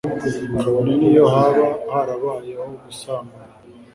kabone n'iyo haba harabayeho gusambana